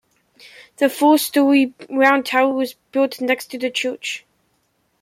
The four-storey Round Tower was built next to the church.